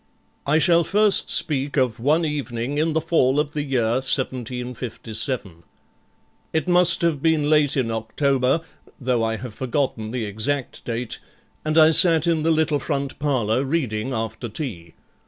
I shall first speak of one evening in the fall of the year 1757. It must have been late in October, though I have forgotten the exact date, and I sat in the little front parlour reading after tea.